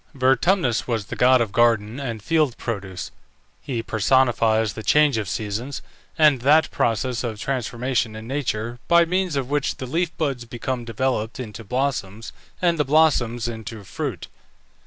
Vertumnus was the god of garden and field produce. He personifies the change of seasons, and that process of transformation in nature by means of which the leaf buds become developed into blossoms, and the blossoms into fruit.